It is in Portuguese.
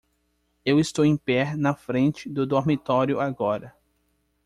Eu estou em pé na frente do dormitório agora.